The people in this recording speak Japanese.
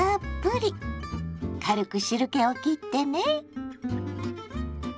軽く汁けをきってね。